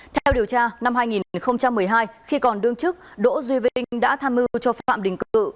theo điều tra năm hai nghìn một mươi hai khi còn đương chức đỗ duy vinh đã tham mưu cho phạm đình cự